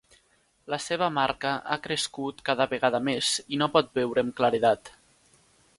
La seva marca ha crescut cada vegada més i no pot veure amb claredat.